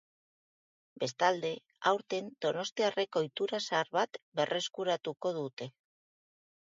Bestalde, aurten donostiarrek ohitura zahar bat berreskuratuko dute.